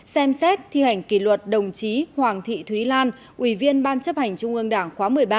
xem xét thi hành kỷ luật đồng chí hoàng thị thúy lan ủy viên ban chấp hành trung ương đảng khóa một mươi ba